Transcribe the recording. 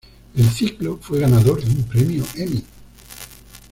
El ciclo fue ganador de un premio Emmy.